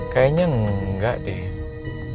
kayaknya enggak deh